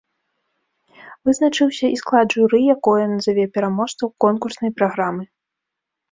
Вызначыўся і склад журы, якое назаве пераможцаў конкурснай праграмы.